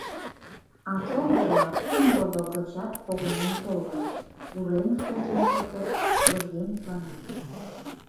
А шоҥго-влак, кум «родо» гычат погынен толын, уремыште шинчылтыт, лыжге мутланат.